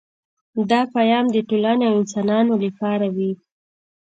دا پیام د ټولنې او انسانانو لپاره وي